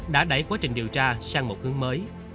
đã đẩy quá trình điều tra sang một hướng mới